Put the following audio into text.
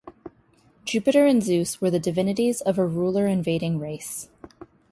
Jupiter and Zeus were the divinities of a ruler invading race.